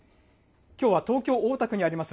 きょうは東京・大田区にあります